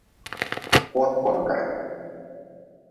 Kua korga.